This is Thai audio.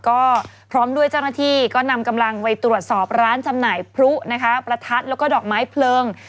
ก็พร้อมด้วยเจ้าหน้าที่ก็นำกำลังไปตรวจสอบร้านจำหน่ายพลุนะคะประทัดแล้วก็ดอกไม้เพลิง